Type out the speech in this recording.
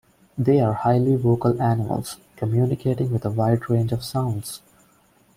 They are highly vocal animals, communicating with a wide range of sounds.